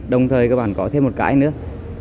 đồng thời các bạn có thêm một cái nữa